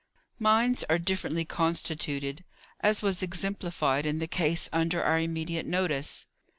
Minds are differently constituted: as was exemplified in the case under our immediate notice.